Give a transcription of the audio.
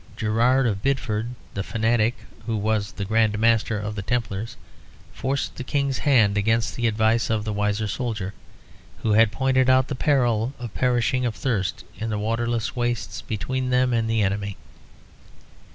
Gerard of Bideford, the fanatic who was Grand Master of the Templars, forced the king's hand against the advice of the wiser soldier, who had pointed out the peril of perishing of thirst in the waterless wastes between them and the enemy.